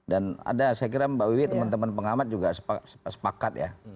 dan ada saya kira mbak wiwi teman teman pengamat juga sepakat ya